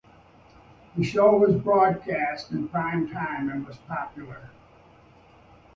The show was broadcast in prime-time and was popular.